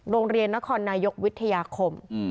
โรงเรียนนครนายกวิทยาคม